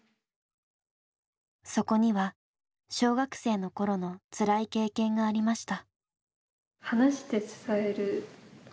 そこには小学生の頃のつらい経験がありました。